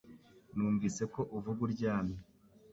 Numvise ko uvuga uryamye.